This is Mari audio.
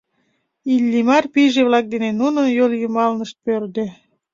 Иллимар пийже-влак дене нунын йол йымалнышт пӧрдӧ.